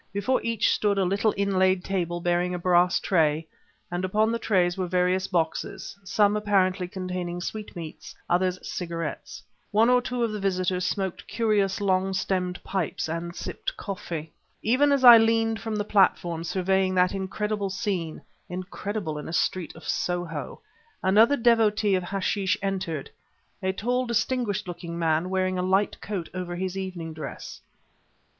Before each stood a little inlaid table bearing a brass tray; and upon the trays were various boxes, some apparently containing sweetmeats, other cigarettes. One or two of the visitors smoked curious, long stemmed pipes and sipped coffee. Even as I leaned from the platform, surveying that incredible scene (incredible in a street of Soho), another devotee of hashish entered a tall, distinguished looking man, wearing a light coat over his evening dress.